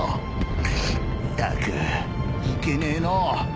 グスッったくいけねえな。